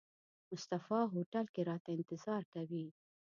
مصطفی هوټل کې راته انتظار کوي.